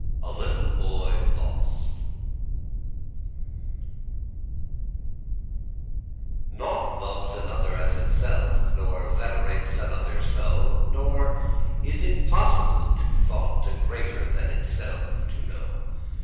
A LITTLE BOY LOST 'Nought loves another as itself, Nor venerates another so, Nor is it possible to thought A greater than itself to know.